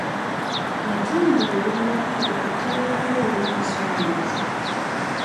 Entambula ey'olukale etera olumu okuba esoomooza.